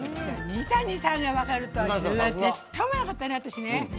三谷さんが分かるとは思わなかったね。